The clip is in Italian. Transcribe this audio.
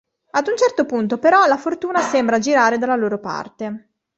Ad un certo punto però, la fortuna sembra girare dalla loro parte.